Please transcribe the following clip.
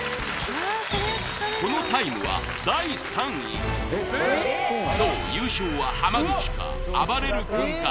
このタイムは第３位そう優勝は濱口かあばれる君か